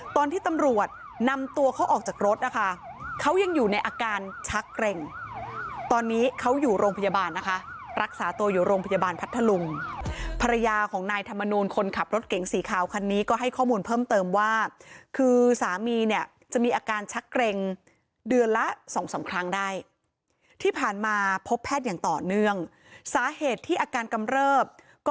ตอนที่ตำรวจนำตัวเขาออกจากรถนะคะเขายังอยู่ในอาการชักเกร็งตอนนี้เขาอยู่โรงพยาบาลนะคะรักษาตัวอยู่โรงพยาบาลพัทธลุงภรรยาของนายธรรมนูลคนขับรถเก๋งสีขาวคันนี้ก็ให้ข้อมูลเพิ่มเติมว่าคือสามีเนี่ยจะมีอาการชักเกร็งเดือนละสองสามครั้งได้ที่ผ่านมาพบแพทย์อย่างต่อเนื่องสาเหตุที่อาการกำเริบก็